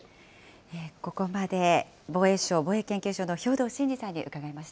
ここまで防衛省防衛研究所の兵頭慎治さんに伺いました。